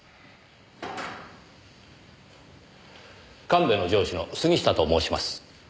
神戸の上司の杉下と申します。